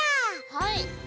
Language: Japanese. はい！